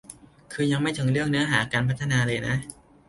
คือยังไม่ถึงเรื่องเนื้อหาการพัฒนาเลยนะ